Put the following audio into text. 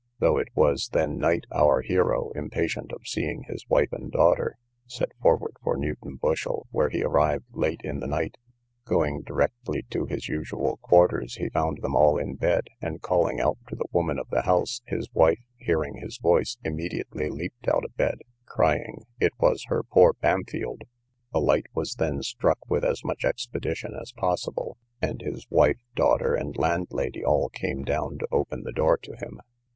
Though it was then night, our hero, impatient of seeing his wife and daughter, set forward for Newton Bushel, where he arrived late in the night. Going directly to his usual quarters, he found them all in bed, and calling out to the woman of the house, his wife, hearing his voice, immediately leaped out of bed, crying, it was her poor Bampfylde. A light was then struck with as much expedition as possible, and his wife, daughter, and landlady, all came down to open the door to him.